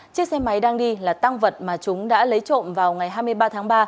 chiếc xe máy đang đi là tăng vật mà chúng đã lấy trộm vào ngày hai mươi ba tháng ba